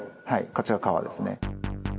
こっちが川ですね。